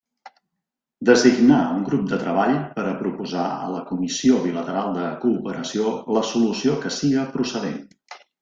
Designar un grup de treball per a proposar a la Comissió Bilateral de Cooperació la solució que siga procedent.